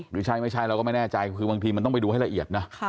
หรือใช่ไม่ใช่เราก็ไม่แน่ใจคือบางทีมันต้องไปดูให้ละเอียดนะ